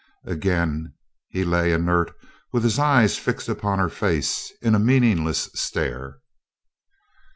Again, he lay inert with his eyes fixed upon her face in a meaningless stare.